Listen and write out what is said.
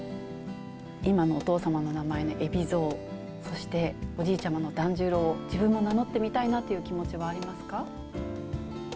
今のお父様の名前の海老蔵、そしておじいちゃまの團十郎、自分も名乗ってみたいなという気あります。